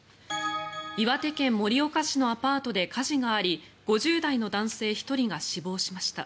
岩手県盛岡市のアパートで火事があり５０代の男性１人が死亡しました。